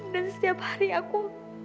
dan setiap hari aku